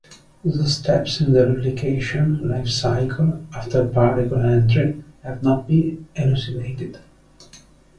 The steps in the replication lifecycle after particle entry have not be elucidated.